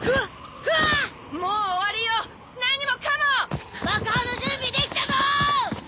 クアもう終わりよ何もかも爆破の準備できたぞーっ！